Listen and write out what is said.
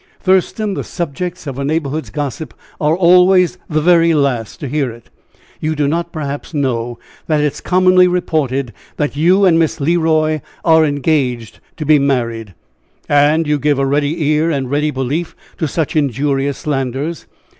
"Thurston, the subjects of a neighborhood's gossip are always the very last to hear it! You do not, perhaps, know that it is commonly reported that you and Miss Le Roy are engaged to be married!" "And you give a ready ear and ready belief to such injurious slanders!"